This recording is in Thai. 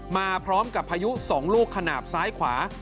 มาพร้อมกับพายุ๒ลูกขนาดซ้ายขวา